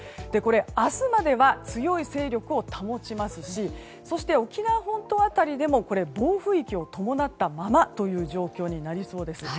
明日までは強い勢力を保ちますしそして沖縄本島辺りでも暴風域を伴ったままという状況になりそうです。